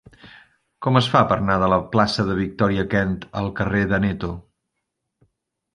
Com es fa per anar de la plaça de Victòria Kent al carrer d'Aneto?